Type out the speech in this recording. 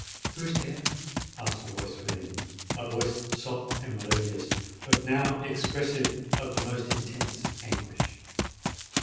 "Who is there?" asked a voice within,—a voice soft and melodious, but now expressive of the most intense anguish.